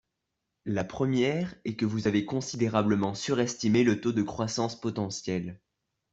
La première est que vous avez considérablement surestimé le taux de croissance potentielle.